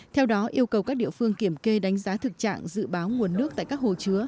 theo đó yêu cầu các địa phương kiểm kê đánh giá thực trạng dự báo nguồn nước tại các hồ chứa